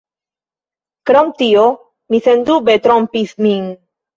Krom tio, mi sendube trompis min.